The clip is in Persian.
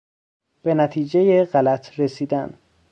به نتیجهی غلط رسیدن